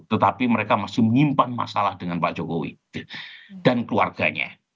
tetapi mereka masih menyimpan masalah dengan pak jokowi dan keluarganya